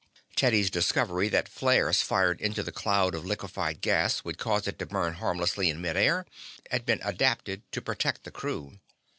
Teddy's discovery that flares fired into the cloud of liquified gas would cause it to burn harmlessly in mid air had been adapted to protect the crew.